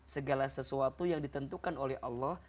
segala sesuatu yang ditentukan oleh allah